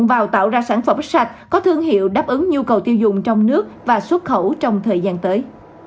vào tạo ra sản phẩm sạch có thương hiệu đáp ứng nhu cầu tiêu dùng trong nước và xuất khẩu trong thời gian tới